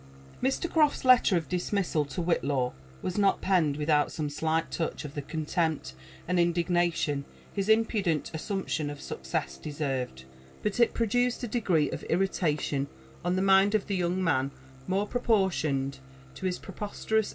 Mr. Croft's letter of dismissal to Whitlaw was not penned without some slight touch of the conteia»pt and indignation his impudent assump tion of suocess deserved ; but it produced a degree of irritation on the mind ol the young man more proportioned to his preposterous.